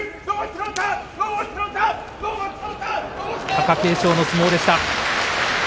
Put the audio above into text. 貴景勝の相撲でした。